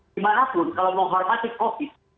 dimanapun kalau menghormati covid